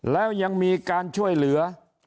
แล้วยังมีการช่วยเหลือ